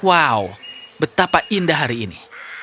wow betapa indah hari ini